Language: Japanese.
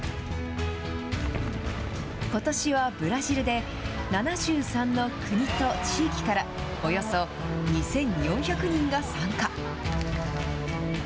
ことしはブラジルで、７３の国と地域から、およそ２４００人が参加。